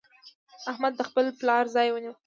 احمد د خپل پلار ځای ونيو.